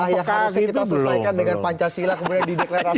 yang harusnya kita selesaikan dengan pancasila kemudian dideklarasikan